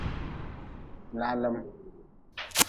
Lalm.